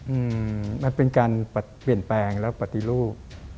มันเป็นการเปลี่ยนแปลงและปฏิรูป